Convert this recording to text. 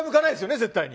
絶対に。